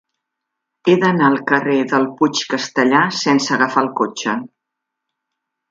He d'anar al carrer del Puig Castellar sense agafar el cotxe.